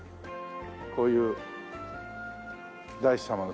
こういう大師様のとこね